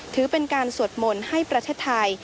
ถือเป็นการสวดมนต์ให้ประเทศไทย